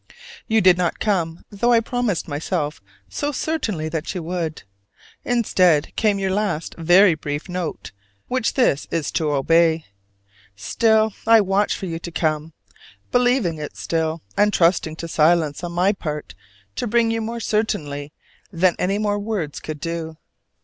You did not come, though I promised myself so certainly that you would: instead came your last very brief note which this is to obey. Still I watched for you to come, believing it still and trusting to silence on my part to bring you more certainly than any more words could do.